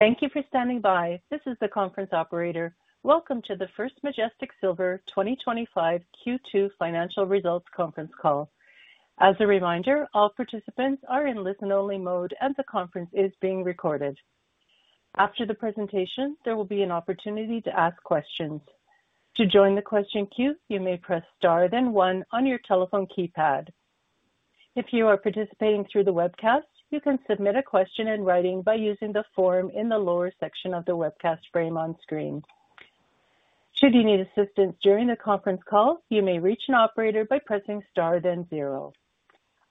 Thank you for standing by. This is the conference operator. Welcome to the First Majestic Silver 2025 Q2 Financial Results Conference call. As a reminder, all participants are in listen-only mode, and the conference is being recorded. After the presentation, there will be an opportunity to ask questions. To join the question queue, you may press star one on your telephone keypad. If you are participating through the webcast, you can submit a question in writing by using the form in the lower section of the webcast frame on screen. Should you need assistance during the conference call, you may reach an operator by pressing star then zero.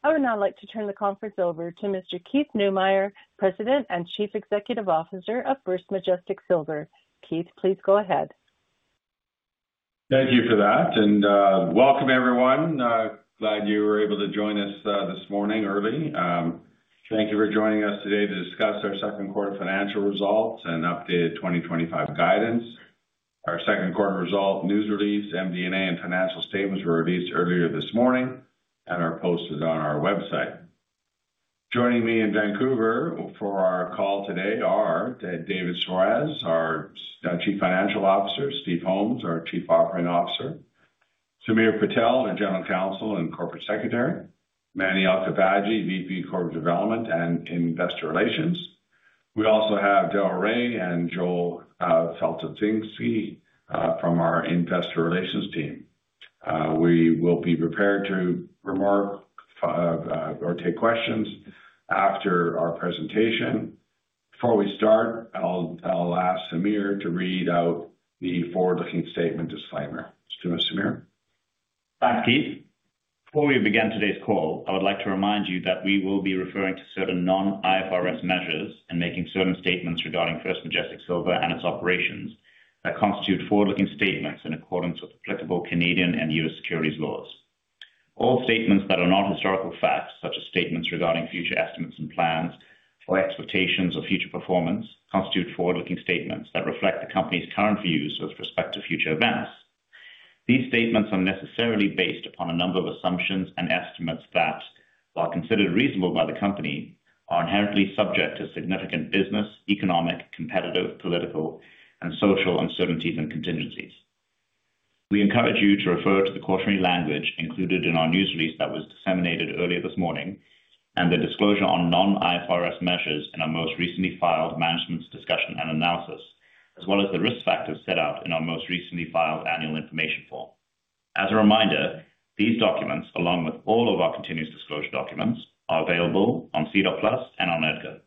I would now like to turn the conference over to Mr. Keith Neumeyer, President and Chief Executive Officer of First Majestic Silver. Keith, please go ahead. Thank you for that, and welcome, everyone. Glad you were able to join us this morning early. Thank you for joining us today to discuss our second quarter financial results and updated 2025 guidance. Our second quarter result news release, MD&A, and financial statements were released earlier this morning and are posted on our website. Joining me in Vancouver for our call today are David Soares, our Chief Financial Officer, Steve Holmes, our Chief Operating Officer, Samir Patel, our General Counsel and Corporate Secretary, Mani Alkhafaji, VP of Corporate Development and Investor Relations. We also have Darrell Rae and Joel Faltinsky from our Investor Relations team. We will be prepared to remark or take questions after our presentation. Before we start, I'll ask Samir to read out the forward-looking statement disclaimer. Let's do it, Samir. Thanks, Keith. Before we begin today's call, I would like to remind you that we will be referring to certain non-IFRS measures and making certain statements regarding First Majestic Silver and its operations that constitute forward-looking statements in accordance with applicable Canadian and U.S. securities laws. All statements that are not historical facts, such as statements regarding future estimates and plans or expectations of future performance, constitute forward-looking statements that reflect the company's current views with respect to future events. These statements are necessarily based upon a number of assumptions and estimates that, while considered reasonable by the company, are inherently subject to significant business, economic, competitive, political, and social uncertainties and contingencies. We encourage you to refer to the quarterly language included in our news release that was disseminated earlier this morning and the disclosure on non-IFRS measures in our most recently filed management's discussion and analysis, as well as the risk factors set out in our most recently filed annual information form. As a reminder, these documents, along with all of our continuous disclosure documents, are available on SEDAR and on EDGAR.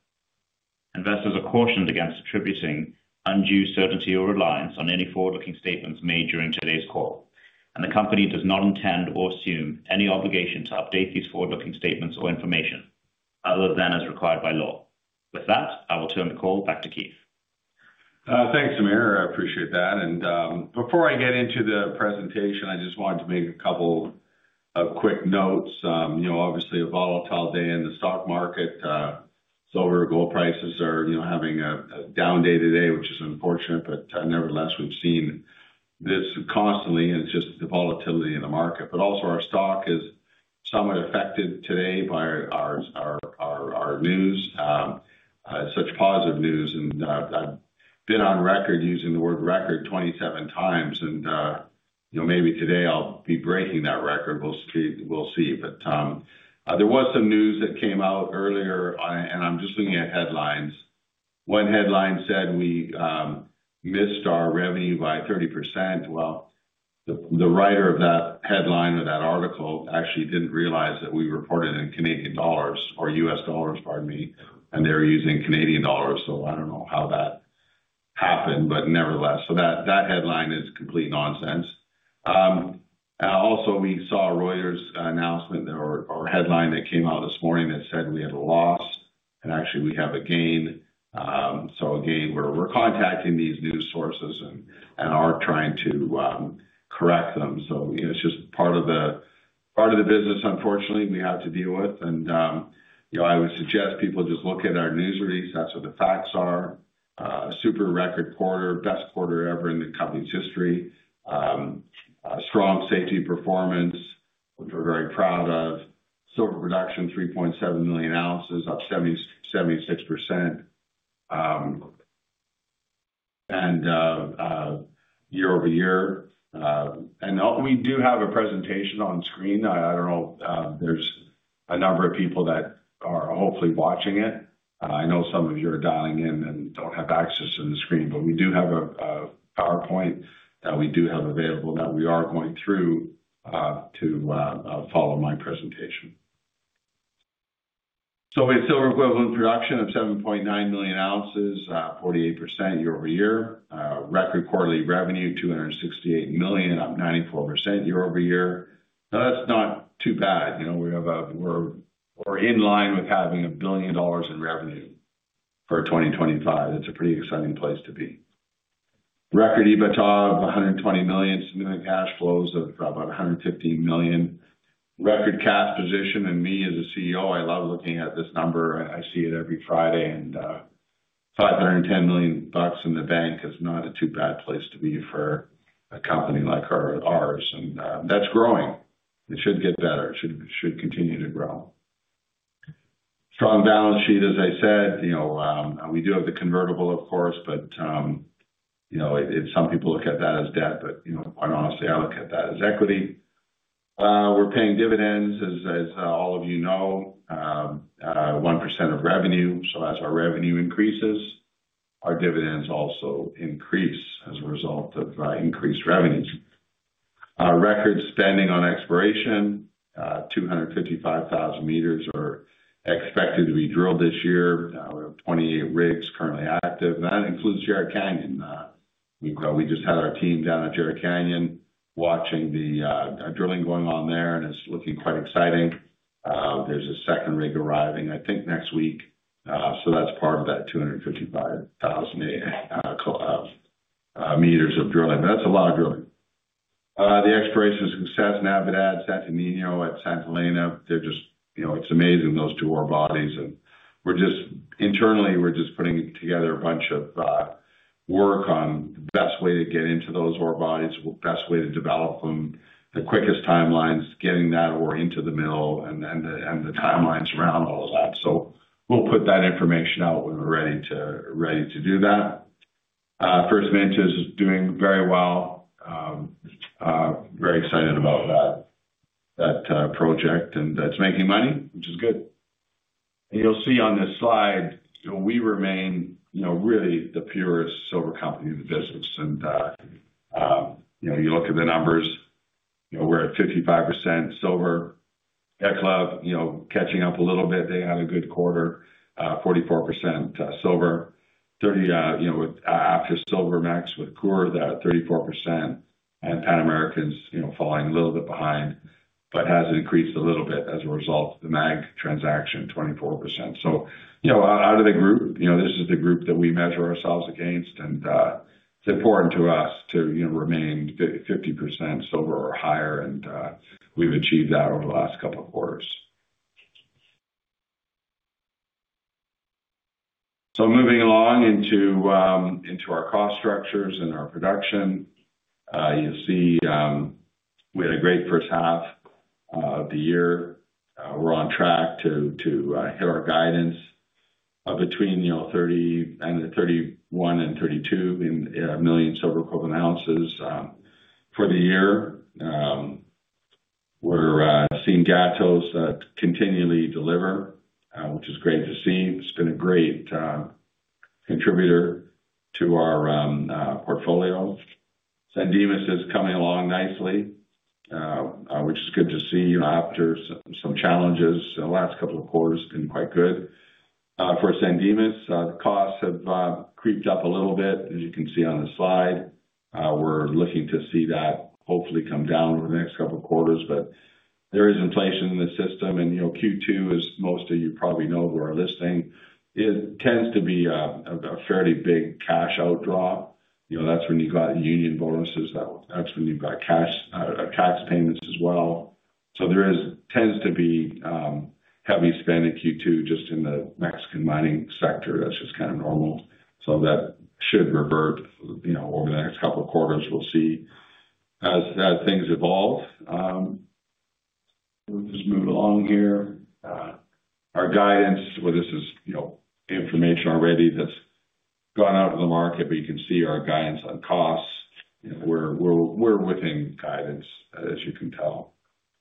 Investors are cautioned against attributing undue certainty or reliance on any forward-looking statements made during today's call, and the company does not intend or assume any obligation to update these forward-looking statements or information other than as required by law. With that, I will turn the call back to Keith. Thanks, Samir. I appreciate that. Before I get into the presentation, I just wanted to make a couple of quick notes. Obviously, a volatile day in the stock market. Silver gold prices are having a down day today, which is unfortunate, but nevertheless, we've seen this constantly. It's just the volatility in the market. Our stock is somewhat affected today by our news, such positive news. I've been on record using the word "record" 27x, and maybe today I'll be breaking that record. We'll see. There was some news that came out earlier, and I'm just looking at headlines. One headline said we missed our revenue by 30%. The writer of that headline of that article actually didn't realize that we reported in U.S. dollars, and they were using Canadian dollars. I don't know how that happened, but nevertheless, that headline is complete nonsense. Also, we saw Reuters' announcement or headline that came out this morning that said we had a loss and actually we have a gain. We are contacting these news sources and are trying to correct them. It's just part of the business, unfortunately, we have to deal with. I would suggest people just look at our news release. That's what the facts are. Super record quarter, best quarter ever in the company's history. Strong safety performance, which we're very proud of. Silver production 3.7 million oz, up 76% year-over-year. We do have a presentation on screen. There's a number of people that are hopefully watching it. I know some of you are dialing in and don't have access to the screen, but we do have a PowerPoint that we do have available that we are going through to follow my presentation. We have silver-equivalent production of 7.9 million oz, 48% year-over-year. Record quarterly revenue $268 million, up 94% year-over-year. Now, that's not too bad. We're in line with having $1 billion in revenue for 2025. It's a pretty exciting place to be. Record EBITDA of $120 million, simulated cash flows of about $150 million. Record cash position, and me as a CEO, I love looking at this number. I see it every Friday, and $510 million in the bank is not a too bad place to be for a company like ours, and that's growing. It should get better. It should continue to grow. Strong balance sheet, as I said. You know, we do have the convertible, of course, but you know, some people look at that as debt, but you know, quite honestly, I look at that as equity. We're paying dividends, as all of you know, 1% of revenue. As our revenue increases, our dividends also increase as a result of increased revenues. Our record spending on exploration, 255,000m are expected to be drilled this year. We have 28 rigs currently active. That includes Jarrett Canyon. We just had our team down at Jarrett Canyon watching the drilling going on there, and it's looking quite exciting. There's a second rig arriving, I think, next week. That's part of that 255,000m of drilling. That's a lot of drilling. The exploration is from Navidad, Santo Niño, and Santa Elena. They're just, you know, it's amazing, those two ore bodies. We're just internally, we're just putting together a bunch of work on the best way to get into those ore bodies, the best way to develop them, the quickest timelines getting that ore into the mill, and the timelines around all of that. We'll put that information out when we're ready to do that. First Majestic Silver is doing very well. Very excited about that project, and it's making money, which is good. You'll see on this slide, you know, we remain, you know, really the purest silver company of the business. You know, you look at the numbers, you know, we're at 55% silver. Excellon, you know, catching up a little bit. They had a good quarter, 44% silver. After Silver Max with a quarter, 34%. Pan American's, you know, falling a little bit behind, but has increased a little bit as a result of the MAG transaction, 24%. Out of the group, you know, this is the group that we measure ourselves against, and it's important to us to remain 50% silver or higher, and we've achieved that over the last couple of quarters. Moving on into our cost structures and our production, you'll see we had a great first half of the year. We're on track to hit our guidance between 30 and 31 and 32, and we had a million silver-equivalent ounces for the year. We're seeing Cerro Los Gatos continually deliver, which is great to see. It's been a great contributor to our portfolio. San Dimas is coming along nicely, which is good to see. You know, a few challenges in the last couple of quarters have been quite good. For San Dimas, the costs have crept up a little bit, as you can see on the slide. We're looking to see that hopefully come down over the next couple of quarters. There is inflation in the system, and you know, Q2, as most of you probably know who are listening, it tends to be a fairly big cash outdraw. That's when you've got yielding bonuses. That's when you've got cash tax payments as well. There tends to be heavy spending in Q2 just in the Mexican mining sector. That's just kind of normal. That should revert over the next couple of quarters. We'll see as things evolve. We'll just move along here. Our guidance, this is information already that's going out to the market, but you can see our guidance on costs. We're within guidance, as you can tell,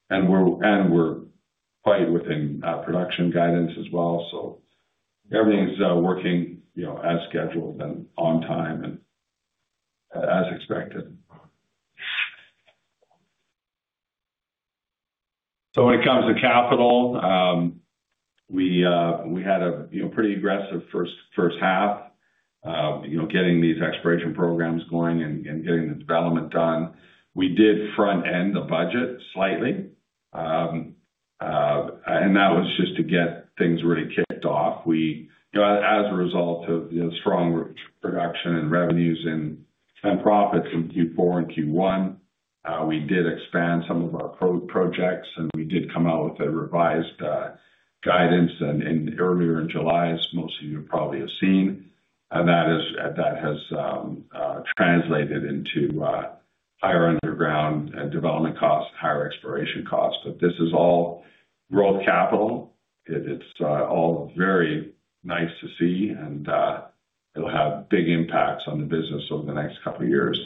and we're quite within production guidance as well. Everything's working as scheduled and on time and as expected. When it comes to capital, we had a pretty aggressive first half getting these exploration programs going and getting the development done. We did front-end the budget slightly, and that was just to get things really kicked off. As a result of the strong production and revenues and spend profits in Q4 and Q1, we did expand some of our projects, and we did come out with a revised guidance earlier in July, as most of you probably have seen. That has translated into higher underground development costs, higher exploration costs. This is all growth capital. It's all very nice to see, and it'll have big impacts on the business over the next couple of years.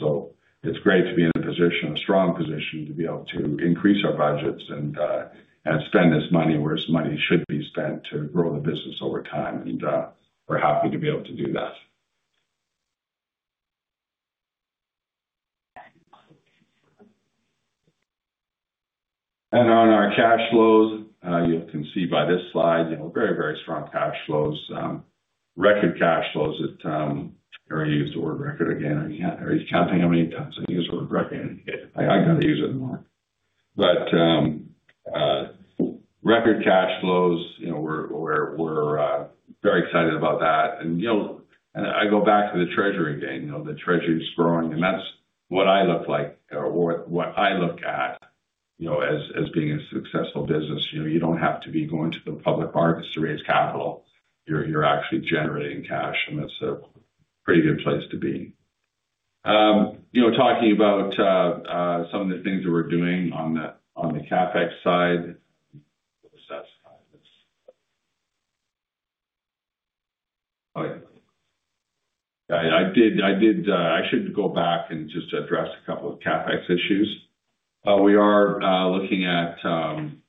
It's great to be in a strong position to be able to increase our budgets and spend this money where this money should be spent to grow the business over time. We're happy to be able to do that. On our cash flows, you can see by this slide, very, very strong cash flows. Record cash flows, I'm going to use the word record again. I can't think of how many times I've used the word record. I've got to use it more. Record cash flows, we're very excited about that. I go back to the Treasury again. The Treasury is growing, and that's what I look like, or what I look at, as being a successful business. You don't have to be going to the public markets to raise capital. You're actually generating cash, and that's a pretty good place to be. Talking about some of the things that we're doing on the CapEx side. Oh, yeah. I did, I should go back and just address a couple of CapEx issues. We are looking at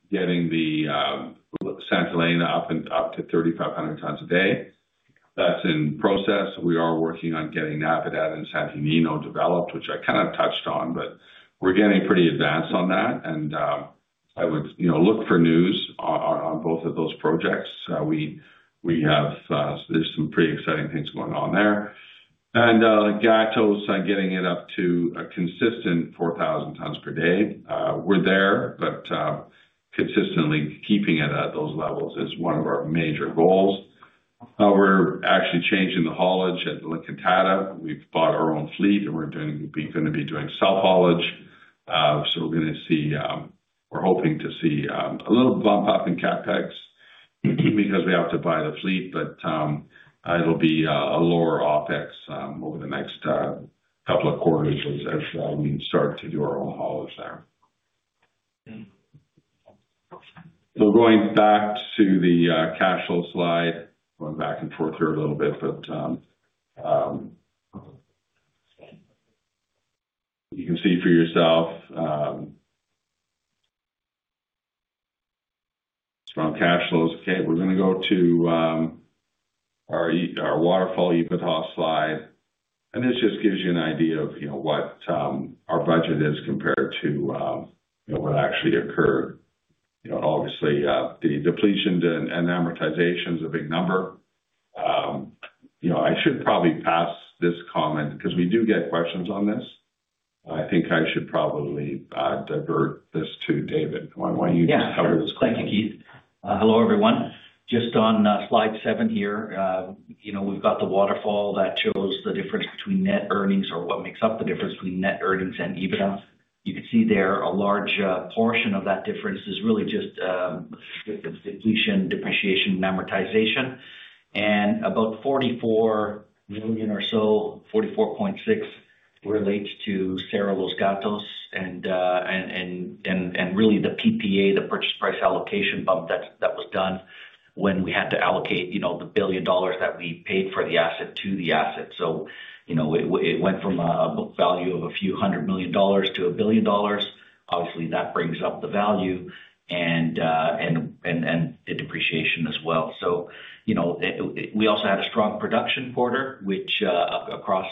getting the Santa Elena up to 3,500t a day. That's in process. We are working on getting Navidad and Santa Elena developed, which I kind of touched on, but we're getting pretty advanced on that. I would, you know, look for news on both of those projects. There's some pretty exciting things going on there. Cerro Los Gatos is getting it up to a consistent 4,000t per day. We're there, but consistently keeping it at those levels is one of our major goals. We're actually changing the haulage at Liccatada. We've bought our own fleet, and we're going to be doing self-haulage. We're hoping to see a little bump up in CapEx because we have to buy the fleet, but it'll be a lower OpEx over the next couple of quarters as we start to do our own haulage there. Going back to the cash flow slide, going back and forth here a little bit, but you can see for yourself from cash flows. We're going to go to our waterfall EBITDA slide. This just gives you an idea of, you know, what our budget is compared to, you know, what actually occurred. Obviously, the depletions and amortization is a big number. I should probably pass this comment because we do get questions on this. I think I should probably divert this to David. Why don't you just cover this question? Thank you, Keith. Hello, everyone. Just on slide seven here, you know, we've got the waterfall that shows the difference between net earnings or what makes up the difference between net earnings and EBITDA. You can see there a large portion of that difference is really just the depletion, depreciation, and amortization. About $44 million or so, $44.6 million, relates to Cerro Los Gatos. Really, the PPA, the purchase price allocation bump that was done when we had to allocate, you know, the $1 billion that we paid for the asset to the asset. It went from a book value of a few hundred million dollars to $1 billion. Obviously, that brings up the value and the depreciation as well. We also had a strong production quarter across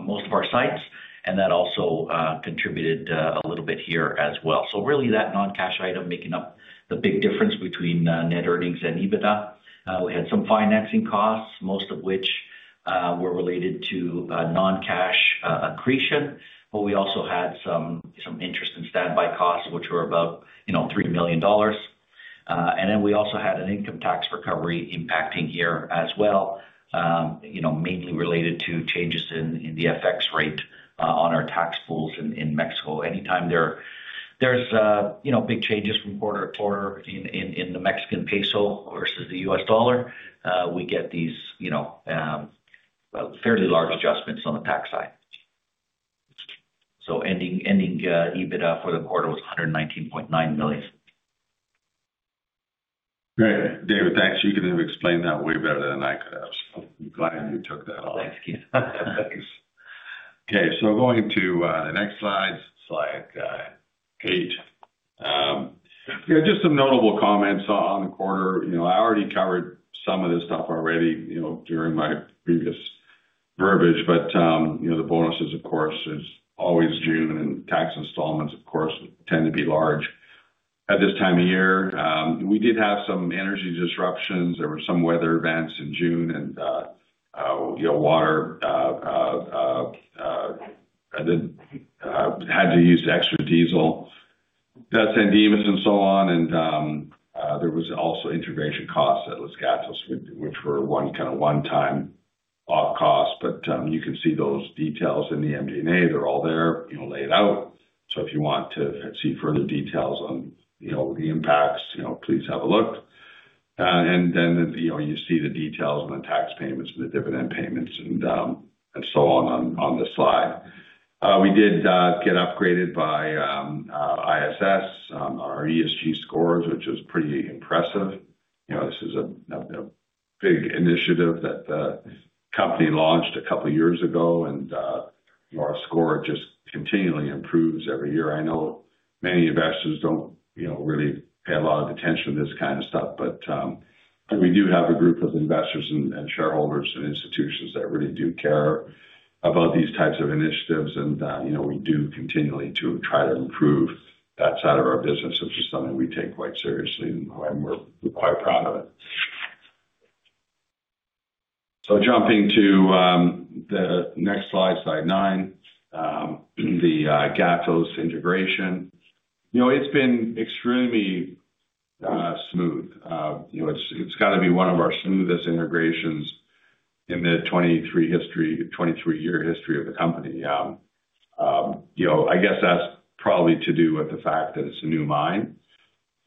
most of our sites, and that also contributed a little bit here as well. Really, that non-cash item making up the big difference between net earnings and EBITDA. We had some financing costs, most of which were related to non-cash accretion, but we also had some interest and standby costs, which were about $3 million. We also had an income tax recovery impacting here as well, mainly related to changes in the FX rate on our tax pools in Mexico. Anytime there's big changes from quarter to quarter in the Mexican peso versus the U.S. dollar, we get these fairly large adjustments on the tax side. Ending EBITDA for the quarter was $119.9 million. David, thanks. You can explain that way better than I could have. Go ahead and you took that off. Thanks, Keith. Thanks. Okay, going to the next slide, slide eight. Just some notable comments on the quarter. I already covered some of this stuff during my previous verbiage, but the bonuses, of course, are always June, and tax installments tend to be large at this time of year. We did have some energy disruptions. There were some weather events in June, and water had to use extra diesel. That's Sandemas and so on. There was also integration costs at Cerro Los Gatos, which were one kind of one-time off-cost. You could see those details in the MD&A. They're all there, laid out. If you want to see further details on the impacts, please have a look. You see the details on the tax payments and the dividend payments and so on on this slide. We did get upgraded by ISS on our ESG scores, which is pretty impressive. This is a big initiative that the company launched a couple of years ago, and our score just continually improves every year. I know many investors don't really pay a lot of attention to this kind of stuff, but we do have a group of investors and shareholders and institutions that really do care about these types of initiatives. We do continually try to improve that side of our business, which is something we take quite seriously, and we're quite proud of it. Jumping to the next slide, slide nine, the Cerro Los Gatos integration. It's been extremely smooth. It's got to be one of our smoothest integrations in the 23-year history of the company. I guess that's probably to do with the fact that it's a new mine.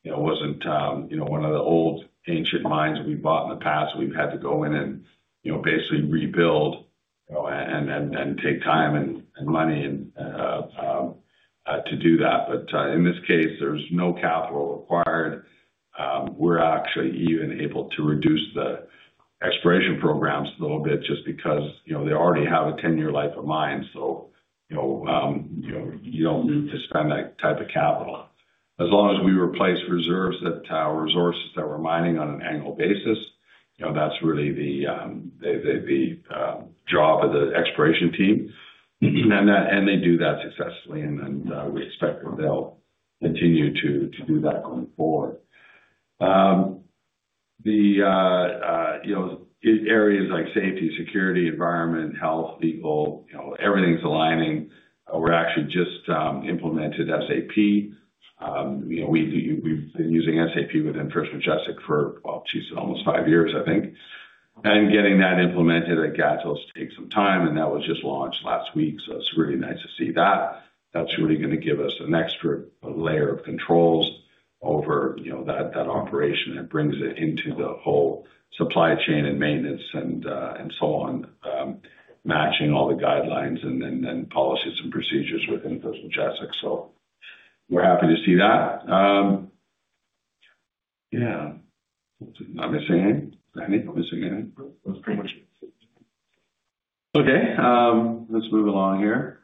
It wasn't one of the old ancient mines we bought in the past. We've had to go in and basically rebuild and take time and money to do that. In this case, there's no capital required. We're actually even able to reduce the exploration programs a little bit just because they already have a 10-year life of mine. You don't need to spend that type of capital. As long as we replace reserves at our resources that we're mining on an annual basis, that's really the job of the exploration team. They do that successfully, and we expect that they'll continue to do that going forward. The areas like safety, security, environment, health, legal, everything's aligning. We've actually just implemented SAP. You know, we've been using SAP within First Majestic Silver for, geez, almost five years, I think. Getting that implemented at Cerro Los Gatos takes some time, and that was just launched last week. It's really nice to see that. That's really going to give us an extra layer of controls over that operation and brings it into the whole supply chain and maintenance and so on, matching all the guidelines and policies and procedures within First Majestic Silver. We're happy to see that. Am I missing anything? I don't think I'm missing anything. Okay. Let's move along here.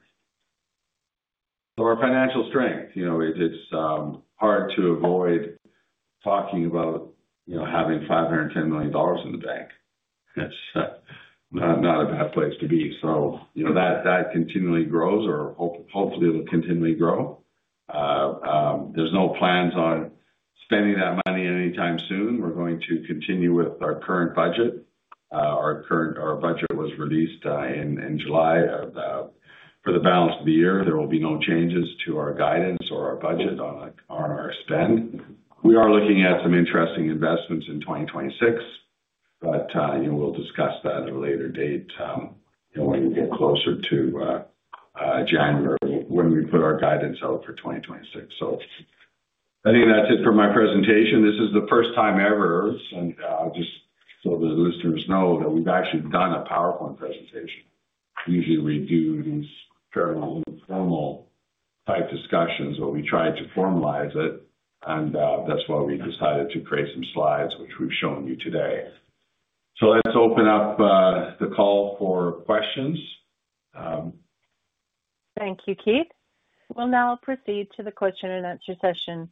Our financial strength, you know, it's hard to avoid talking about having $510 million in the bank. That's not a bad place to be. That continually grows, or hopefully, it'll continually grow. There are no plans on spending that money anytime soon. We're going to continue with our current budget. Our current budget was released in July. For the balance of the year, there will be no changes to our guidance or our budget on our spend. We are looking at some interesting investments in 2026, but we'll discuss that at a later date, when we get closer to January when we put our guidance out for 2026. I think that's it for my presentation. This is the first time ever, and just so the listeners know, we've actually done a PowerPoint presentation. Usually, we do these fairly formal type discussions, but we tried to formalize it, and that's why we decided to create some slides, which we've shown you today. Let's open up the call for questions. Thank you, Keith. We'll now proceed to the question and answer session.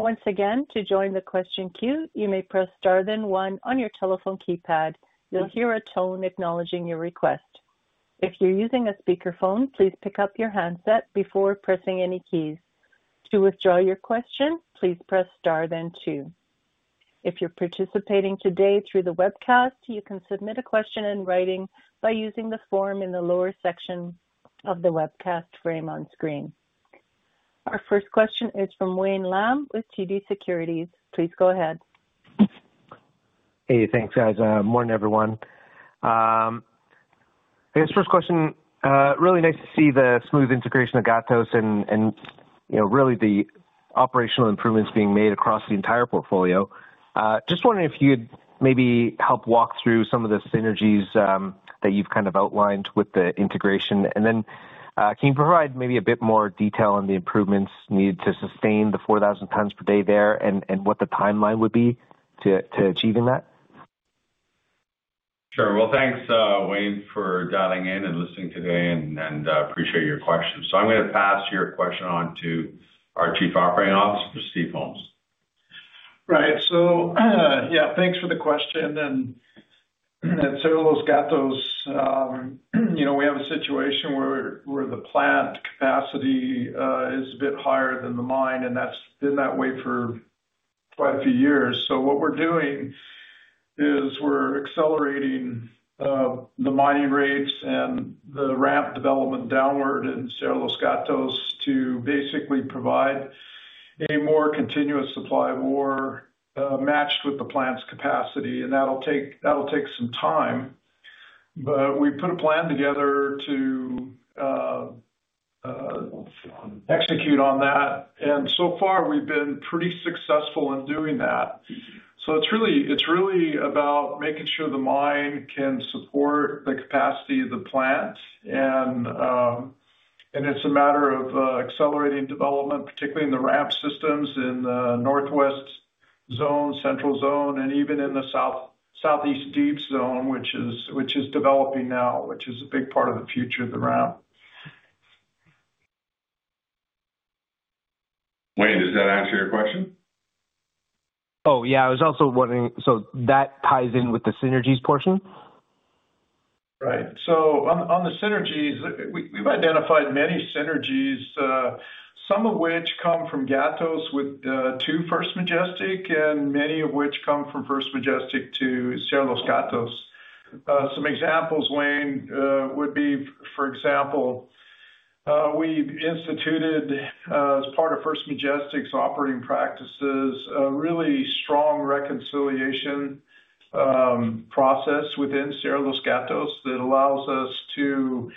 Once again, to join the question queue, you may press staer then one on your telephone keypad. You'll hear a tone acknowledging your request. If you're using a speakerphone, please pick up your handset before pressing any keys. To withdraw your question, please press star then two. If you're participating today through the webcast, you can submit a question in writing by using the form in the lower section of the webcast frame on screen. Our first question is from Wayne Lam with TD Securities. Please go ahead. Hey, thanks. Good morning, everyone. I guess first question, really nice to see the smooth integration of Cerro Los Gatos and, you know, really the operational improvements being made across the entire portfolio. Just wondering if you could maybe help walk through some of the synergies that you've kind of outlined with the integration. Can you provide maybe a bit more detail on the improvements needed to sustain the 4,000t per day there and what the timeline would be to achieving that? Thank you, Wayne, for dialing in and listening today. I appreciate your question. I'm going to pass your question on to our Chief Operating Officer, Steve Holmes. Right. Yeah, thanks for the question. At Cerro Los Gatos, we have a situation where the plant capacity is a bit higher than the mine, and that's been that way for quite a few years. What we're doing is we're accelerating the mining rates and the ramp development downward in Cerro Los Gatos to basically provide a more continuous supply of ore matched with the plant's capacity. That'll take some time, but we put a plan together to execute on that. So far, we've been pretty successful in doing that. It's really about making sure the mine can support the capacity of the plant. It's a matter of accelerating development, particularly in the ramp systems in the northwest zone, central zone, and even in the southeast deep zone, which is developing now, which is a big part of the future of the ramp. Wayne, does that answer your question? Yeah, I was also wondering, that ties in with the synergies portion. Right. On the synergies, we've identified many synergies, some of which come from Cerro Los Gatos to First Majestic Silver, and many of which come from First Majestic Silver to Cerro Los Gatos. Some examples, Wayne, would be, for example, we've instituted as part of First Majestic Silver's operating practices a really strong reconciliation process within Cerro Los Gatos that allows us to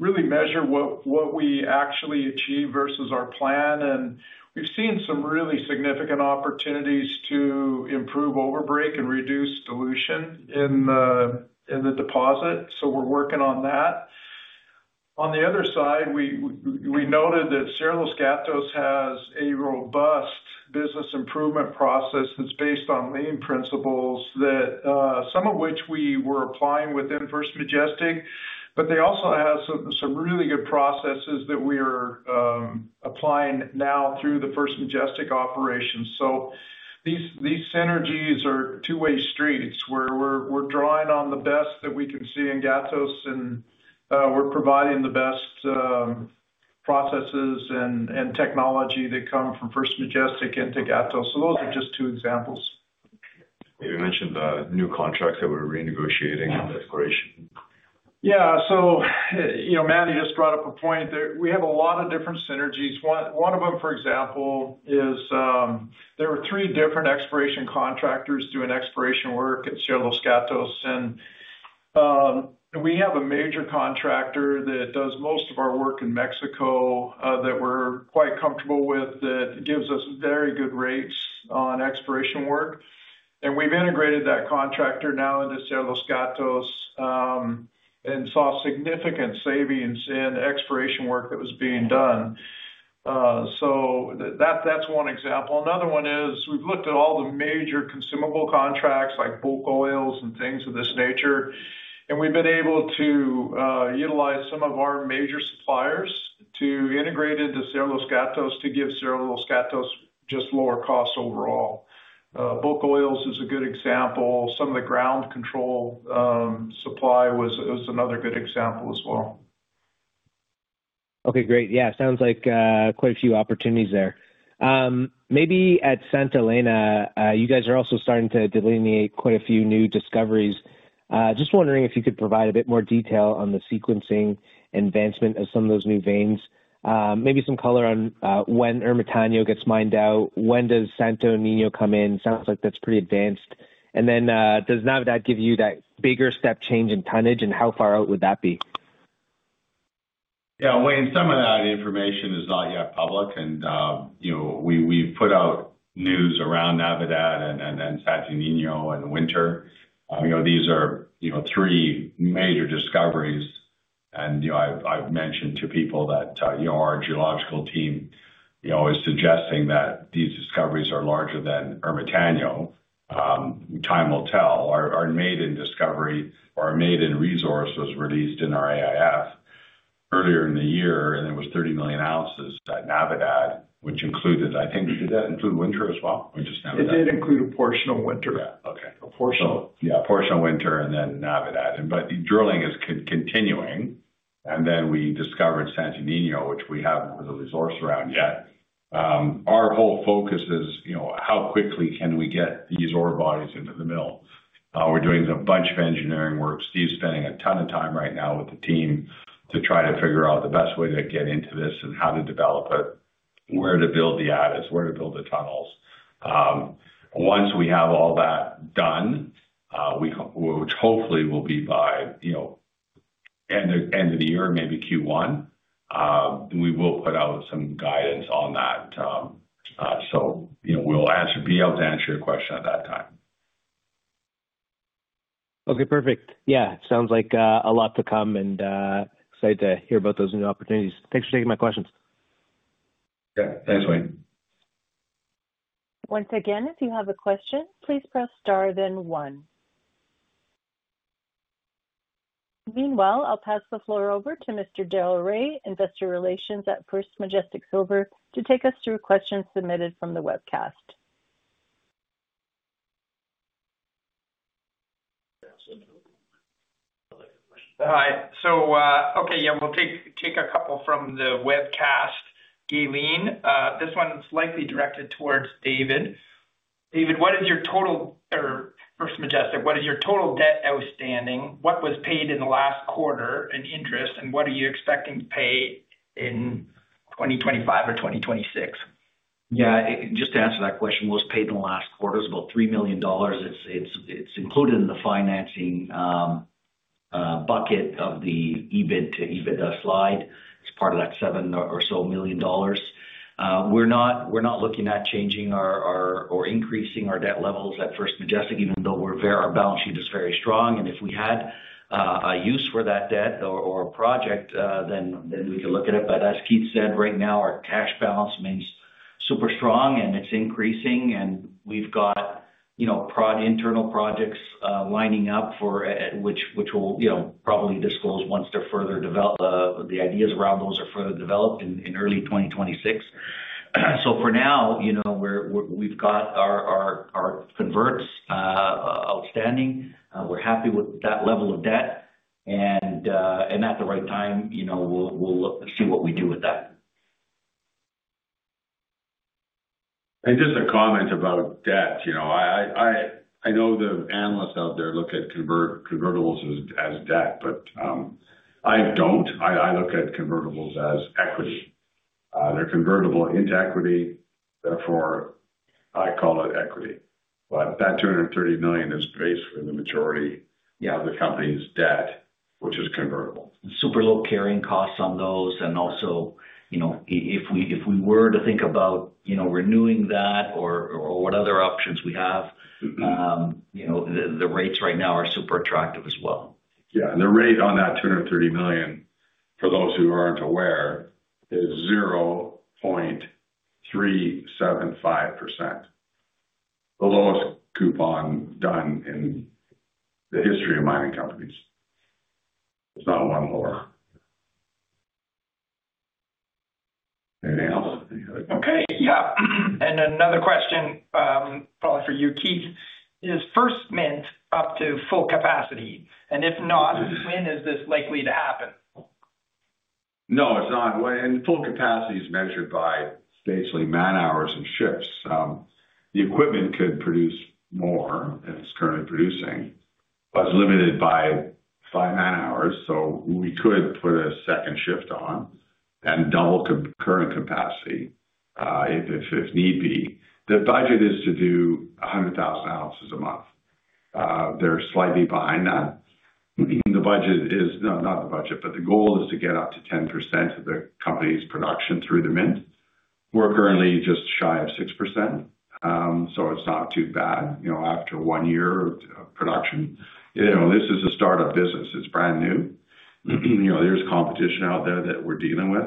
really measure what we actually achieve versus our plan. We've seen some really significant opportunities to improve overbreak and reduce dilution in the deposit, so we're working on that. On the other side, we noted that Cerro Los Gatos has a robust business improvement process that's based on lean principles, some of which we were applying within First Majestic Silver, but they also have some really good processes that we are applying now through the First Majestic Silver operations. These synergies are two-way streets where we're drawing on the best that we can see in Cerro Los Gatos, and we're providing the best processes and technology that come from First Majestic Silver into Cerro Los Gatos. Those are just two examples. You mentioned the new contracts that we're renegotiating on the exploration contractors. Yeah. Mani just brought up a point there. We have a lot of different synergies. One of them, for example, is there are three different exploration contractors doing exploration work at Cerro Los Gatos. We have a major contractor that does most of our work in Mexico that we're quite comfortable with, that gives us very good rates on exploration work. We've integrated that contractor now into Cerro Los Gatos and saw significant savings in exploration work that was being done. That's one example. Another one is we've looked at all the major consumable contracts like bulk oils and things of this nature, and we've been able to utilize some of our major suppliers to integrate into Cerro Los Gatos to give Cerro Los Gatos just lower costs overall. Bulk oils is a good example. Some of the ground control supply was another good example as well. Okay, great. Yeah, it sounds like quite a few opportunities there. Maybe at Santa Elena, you guys are also starting to delineate quite a few new discoveries. Just wondering if you could provide a bit more detail on the sequencing and advancement of some of those new veins. Maybe some color on when Ermitaño gets mined out. When does Santo Niño come in? Sounds like that's pretty advanced. Does Navidad give you that bigger step change in tonnage, and how far out would that be? Yeah, Wayne, some of that information is not yet public. We've put out news around Navidad and then Santo Niño in the winter. These are three major discoveries. I've mentioned to people that our geological team is suggesting that these discoveries are larger than Ermitaño. Time will tell. Our maiden discovery, or our maiden resource, was released in our AIF earlier in the year, and it was 30 million oz at Navidad, which included, I think, did that include winter as well? We just. It did include a portion of winter. Yeah, okay. A portion of winter and then Navidad. The drilling is continuing. Then we discovered Santo Niño, which we haven't had a resource around yet. Our whole focus is, you know, how quickly can we get these ore bodies into the mill? We're doing a bunch of engineering work. Steve's spending a ton of time right now with the team to try to figure out the best way to get into this and how to develop it, where to build the attics, where to build the tunnels. Once we have all that done, which hopefully will be by, you know, end of the year, maybe Q1, we will put out some guidance on that. We'll be able to answer your question at that time. Okay, perfect. Yeah, sounds like a lot to come and excited to hear about those new opportunities. Thanks for taking my questions. Yeah, thanks, Wayne. Once again, if you have a question, please press star then one. Meanwhile, I'll pass the floor over to Mr. Darrell Rae, Investor Relations at First Majestic Silver, to take us through questions submitted from the webcast. Hi. Okay, yeah, we'll take a couple from the webcast. Gaylene, this one's likely directed towards David. David, what is your total, or First Majestic, what is your total debt outstanding? What was paid in the last quarter in interest, and what are you expecting to pay in 2025 or 2026? Yeah, just to answer that question, what was paid in the last quarter is about $3 million. It's included in the financing bucket of the EBITDA slide. It's part of that $7 million or so million dollars. We're not looking at changing or increasing our debt levels at First Majestic Silver, even though our balance sheet is very strong. If we had a use for that debt or a project, then we could look at it. As Keith Neumeyer said, right now, our cash balance remains super strong and it's increasing. We've got internal projects lining up for which we'll probably disclose once the ideas around those are further developed in early 2026. For now, we've got our convertibles outstanding. We're happy with that level of debt. At the right time, we'll see what we do with that. Just a comment about debt. You know, I know the analysts out there look at convertibles as debt, but I don't. I look at convertibles as equity. They're convertible into equity. Therefore, I call it equity. That $230 million is based for the majority of the company's debt, which is convertible. Super low carrying costs on those. Also, if we were to think about renewing that or what other options we have, the rates right now are super attractive as well. Yeah, the rate on that $230 million, for those who aren't aware, is 0.375%. The lowest coupon done in the history of mining companies. It's not a lot more. Anything else? Okay, yeah. Another question, probably for you, Keith, is First Mint up to full capacity? If not, when is this likely to happen? No, it's not. When full capacity is measured by, basically, man-hours and shifts, the equipment could produce more than it's currently producing, but it's limited by man-hours. We could put a second shift on and double the current capacity if need be. The budget is to do 100,000 oz a month. They're slightly behind that. The budget is, no, not the budget, but the goal is to get up to 10% of the company's production through the mint. We're currently just shy of 6%. It's not too bad, you know, after one year of production. This is a startup business. It's brand new. There's competition out there that we're dealing with.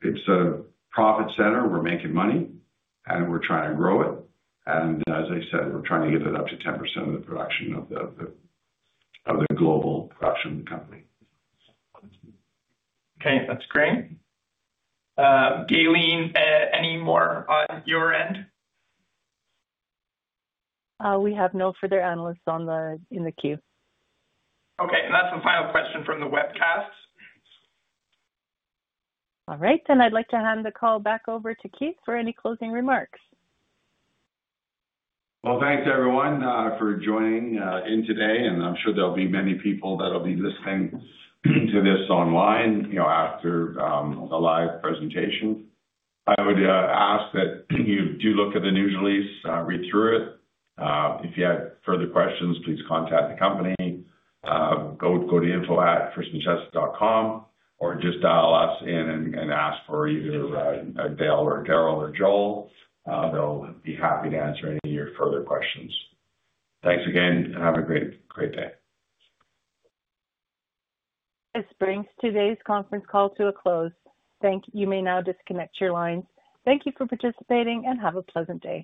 It's a profit center. We're making money, and we're trying to grow it. As I said, we're trying to get it up to 10% of the production of the global production of the company. Okay, that's great. Gaylene, any more on your end? We have no further analysts in the queue. Okay, that's a final question from the webcast. All right, I'd like to hand the call back over to Keith for any closing remarks. Thank you everyone for joining in today. I'm sure there'll be many people that'll be listening to this online after the live presentation. I would ask that you do look at the news release and read through it. If you have further questions, please contact the company. Go to info@firstmajestic.com or just dial us in and ask for either Darrell or Joel. They'll be happy to answer any of your further questions. Thanks again, and have a great day. This brings today's conference call to a close. Thank you. You may now disconnect your line. Thank you for participating and have a pleasant day.